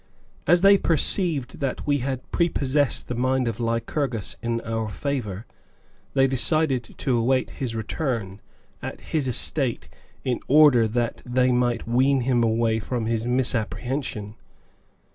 As they perceived that we had prepossessed the mind of Lycurgus in our favor, they decided to await his return, at his estate, in order that they might wean him away from his misapprehension.